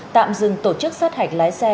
tạm dừng tổ chức sát hạch lái xe